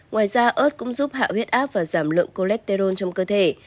ngoài ra ớt cũng giúp hạ huyết áp và giảm lượng cholesterol trong cơ thể